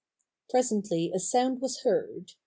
Presently a sound was heard.